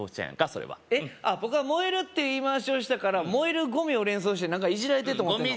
それは僕が「燃える」って言い回しをしたから燃えるゴミを連想して何かいじられてると思ったの？